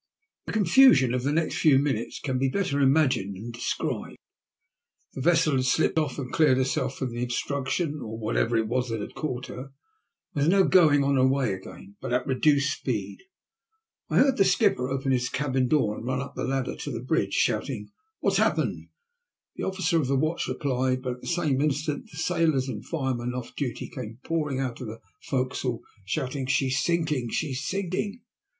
The confusion of the next few minutes can be better imagined than described. The vessel had slipped off and cleared herself from the obstruction whatever it was that had caught her, and was now going on her way again, but at reduced speed. I heard the skipper open his cabin door and run up the ladder to the bridge shouting, " What has happoned ?" The officer of the watch replied, but at the same instant the sailors and firemen off duty came pouring out of the fo'c'sle shouting, '* She's sinking ! She's sinking